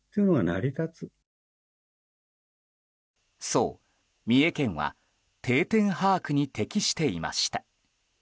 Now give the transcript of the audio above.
そう、三重県は定点把握に適していました。